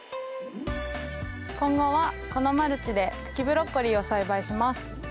今後はこのマルチで茎ブロッコリーを栽培します。